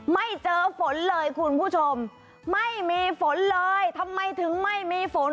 ไม่เจอฝนเลยคุณผู้ชมไม่มีฝนเลยทำไมถึงไม่มีฝน